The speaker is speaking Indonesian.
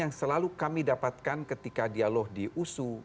yang selalu kami dapatkan ketika dialog di usu